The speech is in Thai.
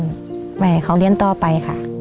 เดินไปให้เรียนต่อไป